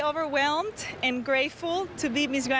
และคุ้มใจมากที่มีคุณเซียทตลอดเมืองไทย